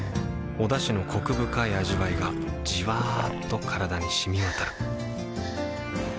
おだしのコク深い味わいがじわっと体に染み渡るはぁ。